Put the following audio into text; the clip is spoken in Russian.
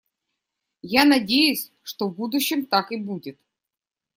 Я надеюсь, что в будущем так и будет.